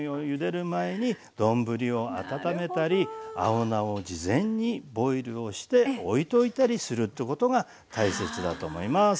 前に丼を温めたり青菜を事前にボイルをしておいといたりするってことが大切だと思います。